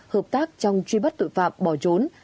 hợp tác trong truy bắt tội phạm bỏ trốn